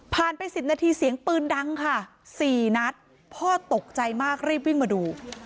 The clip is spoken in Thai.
ไป๑๐นาทีเสียงปืนดังค่ะ๔นัดพ่อตกใจมากรีบวิ่งมาดู